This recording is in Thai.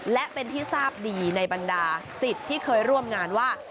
และเป็นที่ทราบดีในบรรดาสิทธิ์ที่เคยร่วมงานว่า